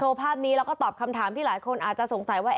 ภาพนี้แล้วก็ตอบคำถามที่หลายคนอาจจะสงสัยว่า